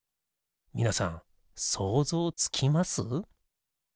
みなさんそうぞうつきます？